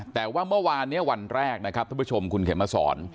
แต่ว่าเมื่อวานวันแรกท่านผู้ชมคุณเขียนมาสอน